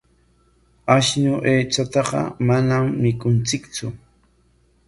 Ashnu aychataqa manam mikunchiktsu.